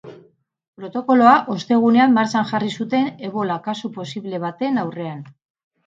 Protokoloa ostegunean martxan jarri zuten ebola kasu posiblea baten aurrean.